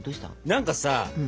何かさ